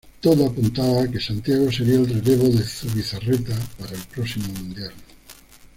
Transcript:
Todo apuntaba a que Santiago sería el relevo de Zubizarreta para el próximo mundial.